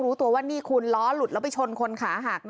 รู้ตัวว่านี่คุณล้อหลุดแล้วไปชนคนขาหักนะ